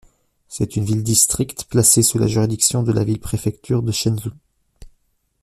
C'est une ville-district placée sous la juridiction de la ville-préfecture de Chenzhou.